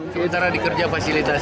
sementara di kerja fasilitas